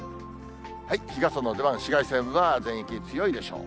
日傘の出番、紫外線は全域強いでしょう。